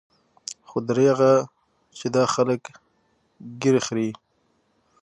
خو درېغه چې دا خلق ږيرې خريي.